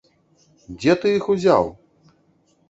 Дзе ты іх узяў?